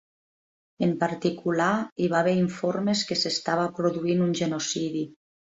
En particular, hi va haver informes que s'estava produint un genocidi.